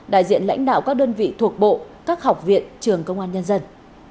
đại diện lãnh đạo các đơn vị thuộc bộ các học viện trường công an nhân dân